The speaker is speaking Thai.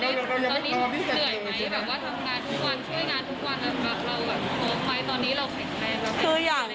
แบบว่าทำงานทุกวันช่วยงานทุกวันแบบเราตอนนี้เราคืออย่าง